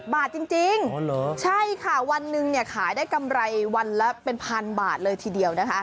บาทจริงใช่ค่ะวันหนึ่งเนี่ยขายได้กำไรวันละเป็นพันบาทเลยทีเดียวนะคะ